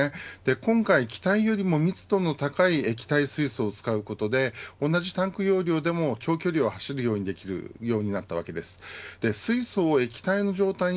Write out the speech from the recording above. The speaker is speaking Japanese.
今回、機体よりも密度の高い液体水素を使うことで同じタンク容量でも、長距離を走ることができるようになったわけです。